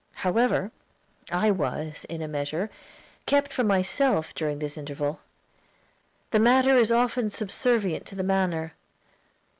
However, I was, in a measure, kept from myself during this interval. The matter is often subservient to the manner.